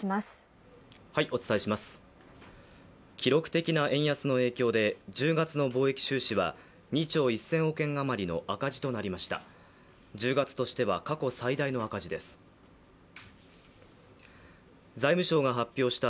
記録的な円安の影響で１０月の貿易収支は２兆１０００億円あまりの赤字となりました。